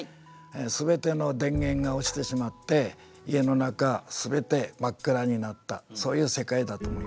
全ての電源が落ちてしまって家の中全て真っ暗になったそういう世界だと思います。